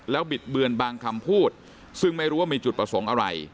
บิดเบือนบางคำพูดซึ่งไม่รู้ว่ามีจุดประสงค์อะไร